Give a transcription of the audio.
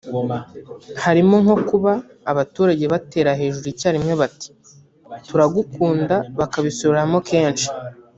Harimo nko kuba abaturage batera hejuru icyarimwe bati “Turagukunda” bakabisubiramo kenshi